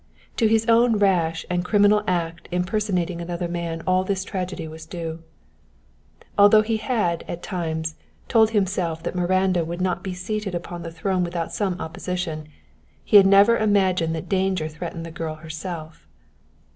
To his own rash and criminal act in personating another man all this tragedy was due. Although he had, at times, told himself that Miranda would not be seated upon a throne without some opposition, he had never imagined that danger threatened the girl herself.